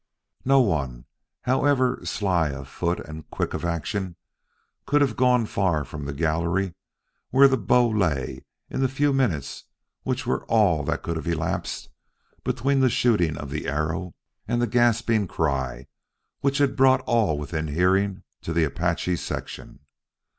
No one, however sly of foot and quick of action, could have gone far from the gallery where that bow lay in the few minutes which were all that could have elapsed between the shooting of the arrow and the gasping cry which had brought all within hearing to the Apache section.